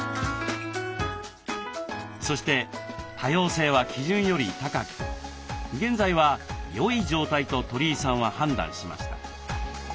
そして多様性は基準より高く現在はよい状態と鳥居さんは判断しました。